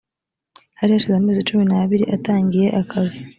hari hashize amezi cumi n abiri atangiye akazi